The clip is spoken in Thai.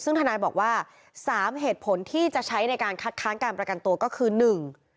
ซึ่งทนายบอกว่าสามเหตุผลที่จะใช้ในการคัดค้านการประกันตัวก็คือหนึ่ง